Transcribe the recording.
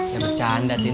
ya bercanda tin